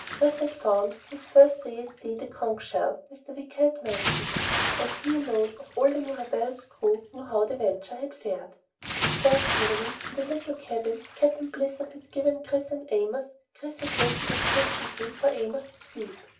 Chris had found, his first day at sea, the conch shell Mr. Wicker had mentioned, and he alone of all the Mirabelle's crew knew how the Venture had fared. That first evening, in the little cabin Captain Blizzard had given Chris and Amos, Chris had waited impatiently for Amos to sleep.